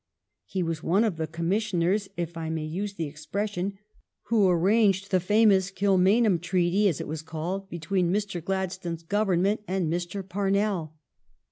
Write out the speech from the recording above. He was one of the Commis sioners, if I may use the expression, who arranged the famous Kilmainham Treaty, as it was called, between Mr. Gladstones Government and Mr. Parnell.